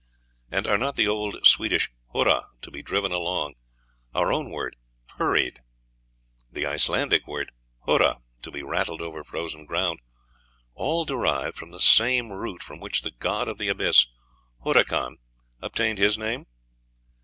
And are not the old Swedish hurra, to be driven along; our own word hurried; the Icelandic word hurra, to be rattled over frozen ground, all derived from the same root from which the god of the abyss, Hurakan, obtained his name?